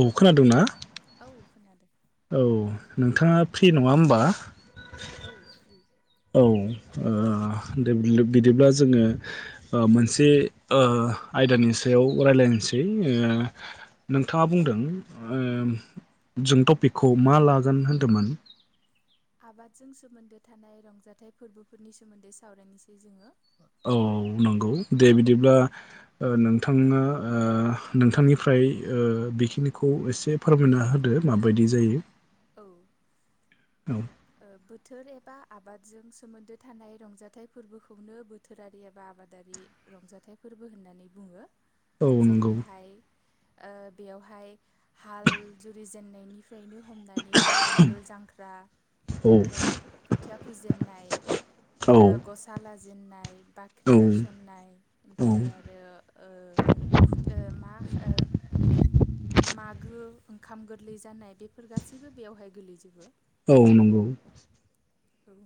अ खोनादोंना। औ खोनादों। औ नोंथाङा फ्रि नङा होमबा। औ फ्रि औ ओह दे बिल बिदिब्ला जोंङो ओह मोनसे ओह आयदानि सायाव रायलायनोसै ओ नोंथाङा बुंदों ओ जों टपिकखौ मा लागोन होन्दोमोन आबादजों सोमोन्दो थानाय रंजाथाइ फोरबोफोरनि सोमोन्दै सावरायनोसै जोङो औ नंगौ दे बिदिब्ला नोंथाङा ओह नोंथांनिफ्राय ओह बेखिनिखौ एसे फोरमायना होदो माबायदि जायो औ औ बोथोर एबा आबादजों सोमोन्दो थानाय रंजाथाइ फोरबोखौनो बोथोरारि एबा आबादारि रंजाथाइ फोरबो होननानै बुंङो औ नंगौ जेरैहाय ओ बेयावहाय हाल जुरिजेननायनि बेनो हमनानै नांगोल जांख्रा औ ओमफ्राय खोथिया फोजेनाय औ ओ गसा ला आजेनन्नाय औ बाख्रि गायसननाय औ ओमफ्राय आरो ओ मा ओ मा गो ओंखाम गोरलै जानाय बेफोर गासैबो बेवहाय गोलैजोबो औ नंगौ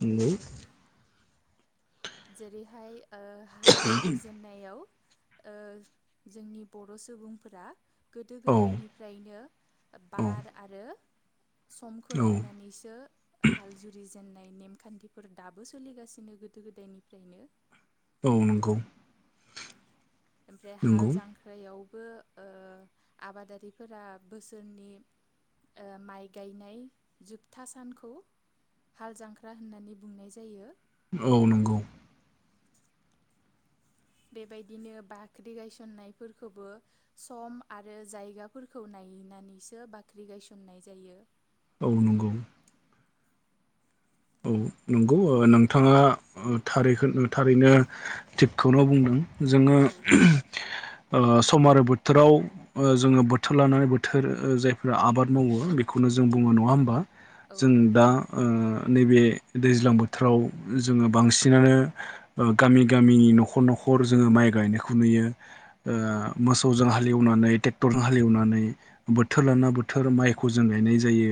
नंगौ जेरैहाय ओ हाल जुरिजेननायाव ओ जोंनि बर' सुबुंफोरा गोदो औ गोदायनिफ्रायनो औ बार आरो समखौ औ नायनानैसो हाल जुरि जेननाय नेमखान्थिफोर दाबो सोलिगासिनो गोदो गोदाय बेनिफ्राइनो औ नंगौ ओमफ्राय नंगौ हाल जांख्रायाव बो ओ आबादारिफोरा बोसोरनि ओ माइ गायनाय जोबथा सानखौ हाल जांख्रा होननानै बुंनाय जायो औ नंगौ बेबायदिनो बाख्रि गायसननायफोरखबो सम आरो जायगाफोरखौ नायनानैसो बाख्रि गायसननाय जायो ओ नंगौ औ नं गौ नोंथाङा ओ थारैखो थारैनो थिगखौनो बुंदों जोंङो औ [unintelligible] ओ सम आरो बोथोराव ओ जोङो बोथोर लानानै बोथोर ओ जायफोरा आबाद मावो बेखौनो जों बुङो नङा होमबा औ जों दा ओ नैबे दैज्लां बोथोराव जोङो बांसिनानो ओ गामि गामि न'खर न'खर जोङो माइ गायनायखौ नुयो ओ औ मोसौजों हालेवनानै टेक्टरजों हालेवनानै बोथोर लाना बोथोर माइखौ जों गायनाय जायो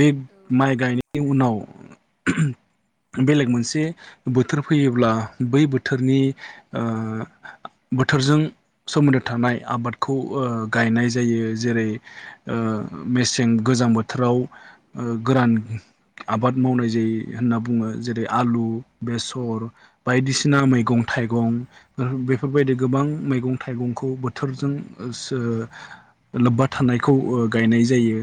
बे औ माइ गायनायनि उनाव [unintelligible] बेलेग मोनसे बोथोर फैयोब्ला बै बोथोरनि ओ बोथोरजों सोमोन्दो थानाय आबादखौ ओ गायनाय जायो ओ जेरै मेसें गोजां बोथोराव ओ गोरान आबाद मावनाय जायो होनना बुङो जेरै आलु बेसर बायदिसिना मैगं थाइगं बेफोरबायदि गोबां मैगं थाइगंखौ बोथोरजों सो ओ लोब्बा थानायखौ गायनाय जायो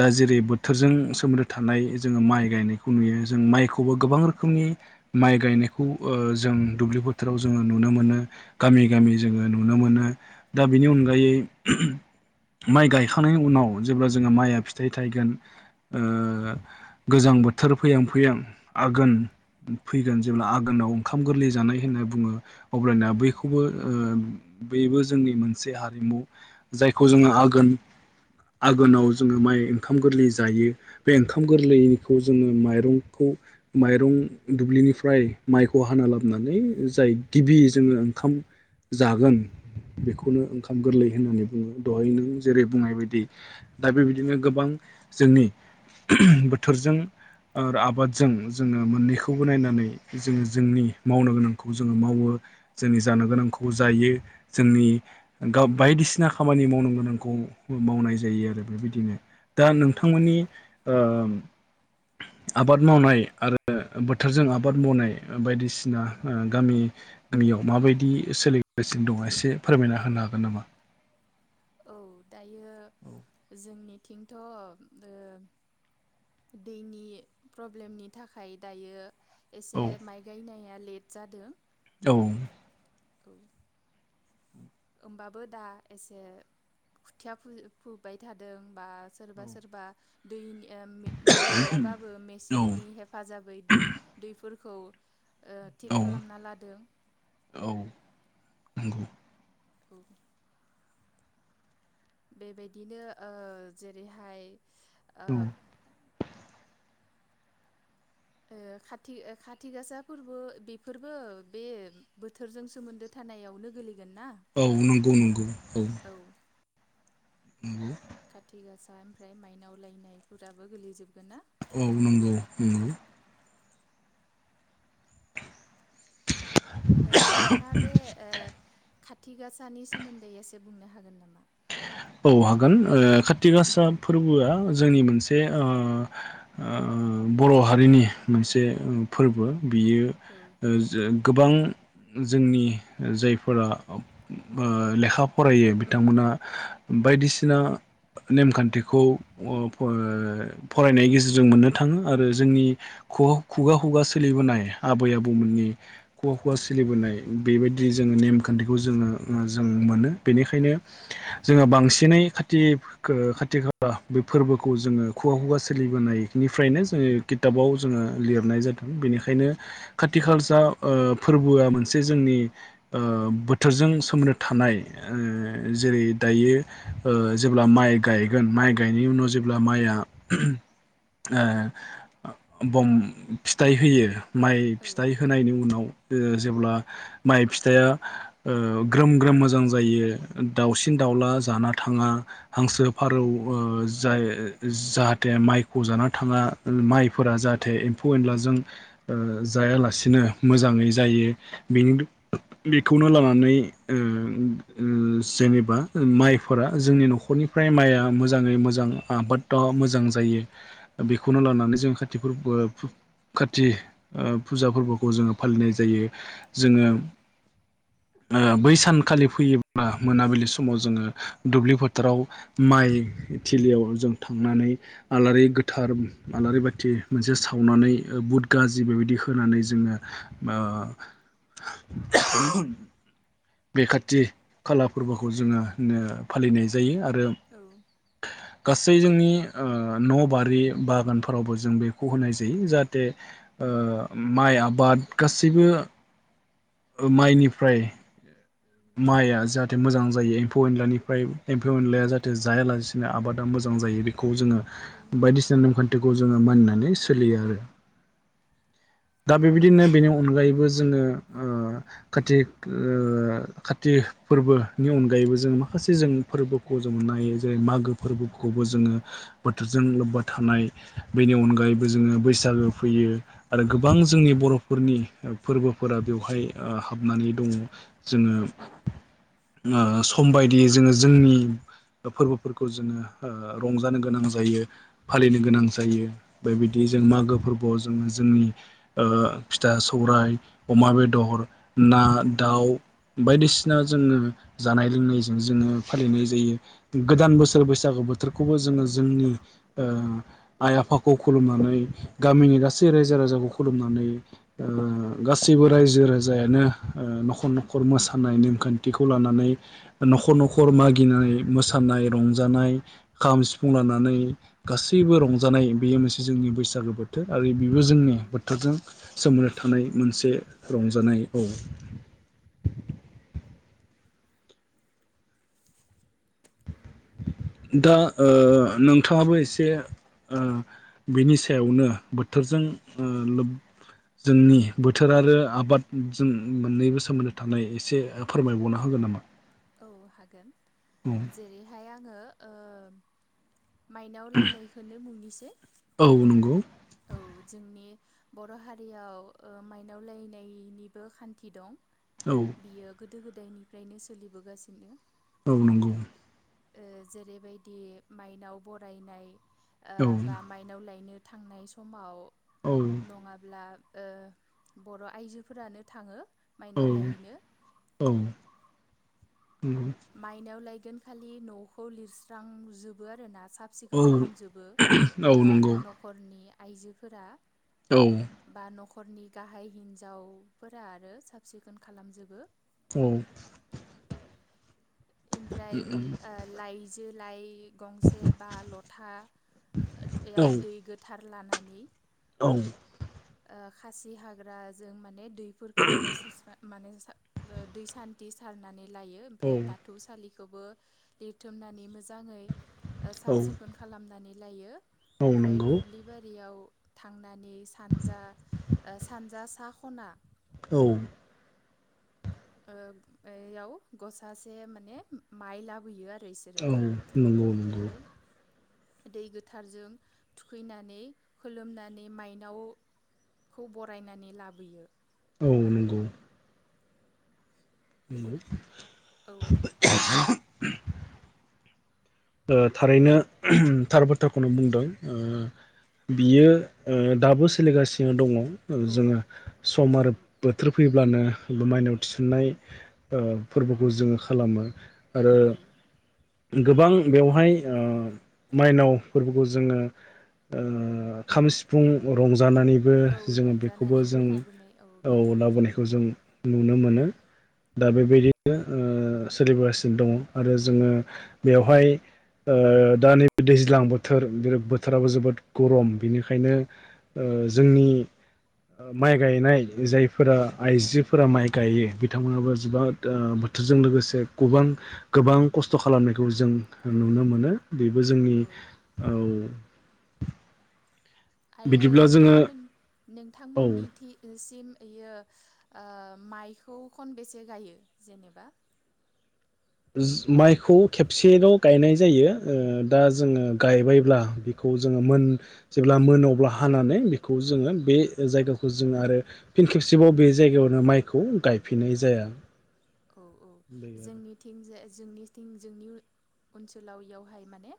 दा औ जेरै बोथोरजों सोमोन्दो थानाय जोङो माइ गायनाय नुयो जों माइखौबो गोबां रोखोमनि माइ गायनायखौ ओ जों दुब्लि बोथोराव जोङो नुनो मोनो गामि गामि जोङो नुनो मोनो दा बेनि अनगायै माइ गायखांनायनि उनाव जेब्ला जोङो माइआ फिथाइ थायगोन गोजां बो बोथोर फैहां फैयां आघोन फैगोन जेब्ला आघोनाव ओंखाम गोरलै जानाय होनना बुङो अब्लाना बैखौबो बेबो जोंनि मोनसे हारिमु जायखौ जोङो आघोन आघोनाव जोङो माइ ओंखाम गोरलै जायो बे ओंखाम गोरलैखौ जोङो माइरंखौ माइरं दुब्लिनिफ्राय माइखौ हाना लाबोनानै जाय गिबि जोङो ओंखाम जागोन बेखौनो ओंखाम गोरलै होननानै बुं बुङो दहै नों जेरै बुंनाय बायदि दा बेबायदिनो गोबां जोंनि बोथोरजों आरो आबादजों जोङो मोननैखौबो नायनानै जोङो जोंनि मावनो गोनांखौ जोङो मावो जोंनि जानो औ गोनांखौ जायो जोंनि गाव बायदिसिना खामानि मावनो गोनांखौ मावनाय जायो आरो बेबायदिनो दा औ नोंथांमोननि ओ आबाद मावनाय आरो बोथोरजों आबाद मावनाय बायदिसिना गामियाव माबायदि सोलिगासिनो दङ एसे फोरमायना होनो हागोन नामा औ दायो जोंनि थिंथ' ओ दैनि प्रब्लेमनि थाखाय दायो औ एसे माइ गायनाय आ लेट जादों औ औ होमबाबो दा एसे खुथिया फुबाय थादों बा सोरबा सोरबा दैनि दै गैयबाबो औ मेचिननि हेफाजाबै दै फोरखौ ओ थि औ खालामना लादों। औ नंगौ। थ बेबायदिनो ओ जेरैहाय ओ औ ओ खाथि गासा फोरबो बेफोरबो बे बोथोरजों सोमोन्दो थानायावनो गोलै औ नंगौ नंगौ औ। नंगौ। खाथिगासा ओमफ्राय मायनाव लायनायफोराबो गोलै जोबगोन ना? औ नंगौ नंगौ। ओ नोंथाङा बे ओ खाथिगासानि सोमोन्दै एसे बुंनो हागोन नामा? औ हागोन ओ काथिगआसा फोरबोआ जोंनि मोनसे ओ ओ बर' हारिनि मोनसे फोरबो। बेयो औ ओ जो गोबां जोंनि जायफोरा ओ लेखा फरायो बिथांमोना बायदिसिना नेमखान्थिखौ ओ फो फरायनायनि गेजेरजों मोननो थाङो आरो जोंनि खुगा खुगा सोलिबोनाय आबै आबौमोननि खुगा खुगा औ सोलिबोनाय बेबायद दि जोङो नेमखान्थिखौ जोङो ओ जों मोनो बेनिखायनो जोङो बांसिनै खाथि [unintelligible] बे फोरबोखौ जोङो खुगा खुगा सोलिबोनायनिफ्रायनो जोङो खिथाबाव जोङो लिरनाय जादों बेनिखायनो खाथिखालसा ओ फोरबोआ मोनसे जोंनि ओ बोथोरजों सोमोन्दो थानाय। औ ओ दायो ओ जेब्ला माइ गायगोन माइ गायनायनि उनाव जेब्ला माइआ ओ बं फिथाइ होयो माइ औ फिथाइ होनायनि उनाव ओ जेब्ला माइ फिथाइया ओ ग्रोम ग्रोम मोजां जायो। दाउसिन दाउला जाना थाङा। हांसो औ फारौ ओ जाय जाहाथे माइखौ जाना थाङा माइफोरा जाहाथे एम्फौ एनलाजों ओ जायालासिनो मोजाङै जायो बेनि बेखौनो लानानै ओ ओ जेनेबा माइफोरा जोंनि न'खरनिफ्राय माइआ मोजाङै मोजां आबादा मोजां जायो बेखौनो लानानै जों कातिगफोरबो फु खाति ओ फुजा फोरबोखौ जोङो फालिनाय जायो। जोङो औ ओ बै सानखालि फैयोब्ला मोनाबिलि समाव जोङो दुब्लि फोथाराव माइ थिलियाव जों थांनानै आलारि गोथार आलारि बाथि मोनसे सावनानै बुद गाजि बेबायदि होनानै जोङो ओ बेखाथि खाला फोरबोखौ जोङो नो फालिनाय जायो। आरो औ गास सै जोंनि ओ न' बारि बागानफोरावबो जों बेखौ होनाय जायो जाहाथे ओ माइ आबाद गासैबो ओ माइनिफ्राय माइआ जाहाथे मोजां जायो एम्फौ एनलानिफ्राय एम्फौ एनलाया जाहाथे जायालासेनो आबादा मोजां जायो बे खौ जोङो बायदिसिना नेमखान्थि खौ जोङो मानिनानै सोलियो आरो दा बेबायदिनो बेनि अनगायैबो जोङो ओ खाथिग ओ खाति फोरबो नि अनगायैबो जों माखासे जों फोरबोखौ जोंङो नायो जेरै मागो फोरबोखौबो जोङो बोथोरजों लोब्बा थानाय बेनि अनगायैबो जोङो बैसागो फैयो। आरो गोबां जोंनि बर'फोरनि फोरबोफोरा बेवहाय ओ हाबनानै दङ जोङो ओ सम बायदियै जोङो जोंनि फोरबोफोरखौ जोङो ओ रंजानो गोनां जायो। फालिनो गोनां औ जायो बेबायदि जों मागो फोरबोआव जोङो जोंनि ओ फिथा-सौराय, अमा बेदर ना, दाउ। सिना जोङो जानाय लोंनायजों जोङो फालिनाय जायो। गोदान बोसोर औ बैसागु बोथोरखौबो जोङो ज जोंनि ओ आइ-आफाखौ खुलुमनानै, गामिनि गासै रायजो-राजाखौ खुलुमनानै ओ गासैबो रायजो-राजायानो ओ न'खर न'खर खर मोसानाय नेमखान्थिखौ लानानै न'खर न'खर मागिनाय मोसानाय रंजानाय खाम, सिफुं लानानै गासैबो रंजानाय बेयो मोनस जोंनि बैसागो बोथोर आरो ब बेबो जोंनि बोथोरजों सोमोन्दो थानाय मोनसे रंजानाय औ। दा ओ नोंथाङाबो एसे ओ बेनि सायावनो बोथोरजों ओ लोब जोंनि बोथोर आरो आबादजों मोननैबो सोमोन्दो थानाय एसे फोरमायबावना होगोन नामा? औ हागोन। औ जेरैहाय आङो ओ माइनाव लायनायखौनो बुंनिसै औ नंगौ औ जोंनि बर' हारियाव ओ माइनाव लायनायनिबो खान्थि दं। औ बियो गोद गोदो-गोदायनिफ्रायनो सोलि बोगासिनो दङ। औ नंगौ। ओ जेरैबायदि माइनाव बरायनाय ओ औ बा माइनाव लायनो थांनाय समाव औ नङाब्ला ओ बर' आइजोफोरानो थाङो औ माइनाव लायनो। औ नंगौ माइनाव लायन गोन खालि न'खौ लिरस्रांजोबो आरो ना। औ साब-सिखोन खालामजोबो औ ओ नंगौ न'खरनि आइजोफोरा औ। खरनि गाहाइ हिन्जावफोरा आरो साब-सिखोन खालामजोबो। औ। इनफ्राय ओ लाइजो लाइ गंसे बा लथायाव दै गोथार। लानानै। औ। ओ खासि हाग्राजों माने। दैफोरखो माने सुस्रा माने। ओ दै सान्ति सारनानै। लायो ओमफ्राय औ बाथौ सालि खोबो लिरथुमनानै मो जाङै ओ औ साब सिखोन खालामनानै। जायो। औ ओमफ्राय नंगौ दुब्लि बारियाव। थांनानै। सानजा ओ सानजा सा। ख'ना। औ। ओ इयाव गसासे माने माइ लाबोयो आ औ नंगौ नंगौ। दै गोथारजों थुखैनानै फोलोमनानै माइनावखौ बरायनानै लाबोयो। औ नंगौ। नंगौ। औ [inaudible] ओ थारैनो थार बाथ्राखौनो बुंदों ओ बियो ओ दाबो सोलिगासिनो दङ'। ओ औ जोङो सम आरो बोथोर फैब्लानो बो माइनाव थिसननाय ओ फोरबोखौ जोङो खालामो। आरो औ गोबां। बेवहाय ओ माइनाव फोरबोखौ जोङो ओ खाम सिफुं रं जानानैबो औ जोङो बेखौबो रंजानानैबो जों लाबोनाय औ बिदिबो लाबोनायखौ जायो जों नुनो मोनो। दा औ बेबायदिनो ओ सोलिबोगासिनो दङ'आरो जोङो बेवहाय। ओ दा नैबे दैज्लां बोथोर बो-बोथोराबो जोबोद गरम बेनिखायनो ओ जोंनि माइ गायनाय जायफोरा आइजोफोरा माइ गायो बिथांमोनाबो जोबोद ओ बोथोरजों लोगोसे गोबां गोबां खस्थ' खालामनायखौ जों औ नुनो मोनो बेबो जोंनि औ औ आरो बिदिब्ला जोङो नोंथांमोन औ नोंथांमोननि थिसिम इयो ओ माइखौ खनबेसे गायो जेनेबा? [unintelligible] माइखौ खेबसेल' गायनाय जायो। ओ दा औ जोङो गायबायब्ला बिखौ जोङो मोन जेब्ला मोनो अब्ला हानानै बेखौ जोङो बे जायगाखौ जोङो आरो फिन खेबसेबाव बे जायगायावनो माइखौ गायफिननाय जाया। औ औ जोंनिथिंजाय जोंनिथिं जोंनि ओनसोलाव बेयावहाय माने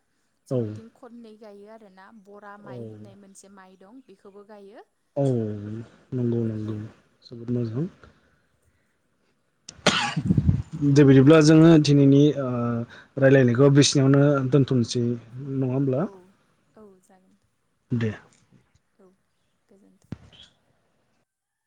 औ जोंनिथिं खननै गायो आरो ना बरा औ माइ होननाय मोनसे माइ दं बिखौबो गायो औ नंगौ औ नंगौ जोबोद मोजां दे बिदिब्ला जोङो दिनैनि ओ रायलायनायखौ बिसिनावनो दोनथसै नङा औ होमब्ला औ जागोन दे औ गोजोन्थों